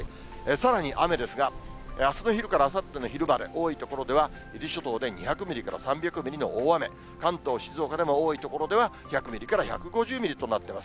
さらに雨ですが、あすの昼からあさっての昼まで、多い所では伊豆諸島で２００ミリから３００ミリの大雨、関東、静岡でも多い所では１００ミリから１５０ミリとなっています。